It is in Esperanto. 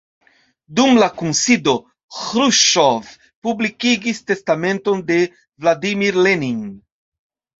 Dum la kunsido, Ĥruŝĉov publikigis testamenton de Vladimir Lenin.